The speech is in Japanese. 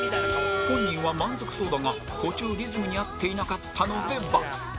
本人は満足そうだが途中リズムに合っていなかったので×